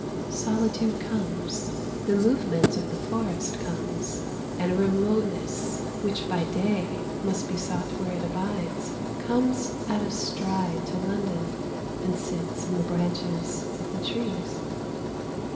Solitude comes, the movement of the forest comes, and remoteness, which by day must be sought where it abides, comes at a stride to London, and sits in the branches of the trees.